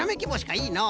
いいのう。